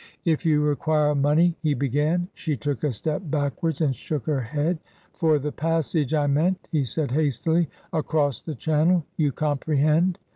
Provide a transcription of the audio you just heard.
If you require money " he began. She took a step backwards and shook her head. " For the passage I meant," he said, hastily ;" across the Channel, you comprehend."